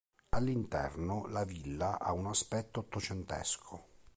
All'interno la villa ha un aspetto ottocentesco.